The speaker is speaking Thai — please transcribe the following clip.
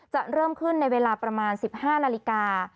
จะเริ่มขึ้นในเวลาประมาณ๑๕นาฬิกา